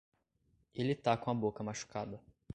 Ele tá com a boca machucada.